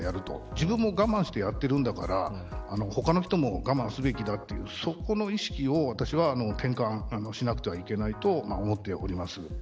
自分も我慢してやっているんだから他の人も我慢してやるべきだという意識を転換しなくちゃいけないと思っております。